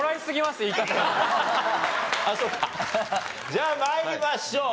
じゃあ参りましょう。